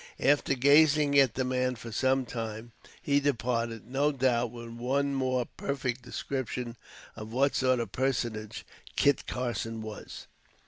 After gazing at the man for some time, he departed, no doubt with one more perfect description of what sort of personage Kit Carson was.